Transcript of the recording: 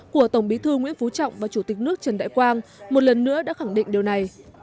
của tổng bí thư nguyễn phú trọng và chủ tịch nước trần đại quang một lần nữa đã khẳng định điều này